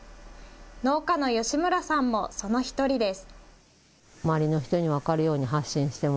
農家の吉村さんもその１人です。